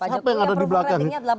siapa yang ada di belakang